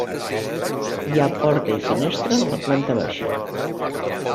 Hi ha porta i finestra a la planta baixa.